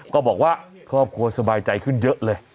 ก็บอกว่าครอบครัวสบายใจขึ้นเยอะเลย